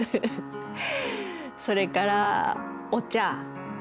それからお茶